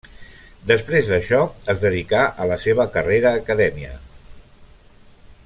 Després d'això es dedicà a la seva carrera acadèmia.